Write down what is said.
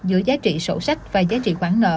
giữa giá trị sổ sách và giá trị khoản nợ